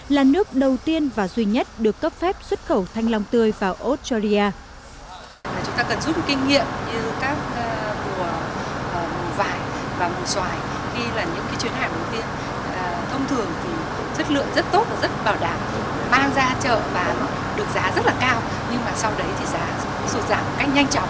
là nước đầu tiên và duy nhất được cấp phép xuất khẩu thanh long tươi vào australia